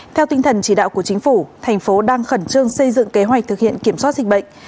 theo tinh thần chỉ đạo của chính phủ thành phố đang khẩn trương xây dựng kế hoạch thực hiện kiểm soát dịch bệnh